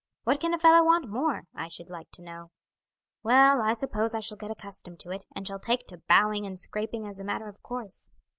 What can a fellow want more, I should like to know? Well I suppose I shall get accustomed to it, and shall take to bowing and scraping as a matter of course."